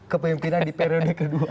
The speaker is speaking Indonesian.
kepemimpinan di periode kedua